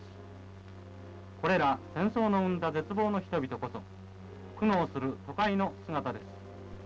これら戦争の生んだ絶望の人々こそ苦悩する都会の姿です。